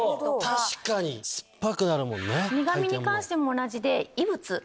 確かに酸っぱくなるものね。